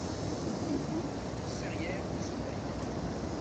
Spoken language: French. Route de Motz, Serrières-en-Chautagne